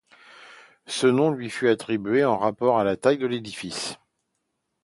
Ce nom lui fut attribué en rapport à la taille de l'édifice.